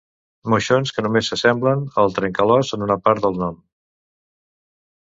Moixons que només s'assemblen al trencalòs en una part del nom.